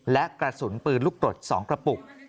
และกระสุนปืนลูกกรด๒กระปุก